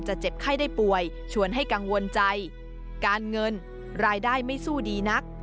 เจ็บไข้ได้ป่วยชวนให้กังวลใจการเงินรายได้ไม่สู้ดีนัก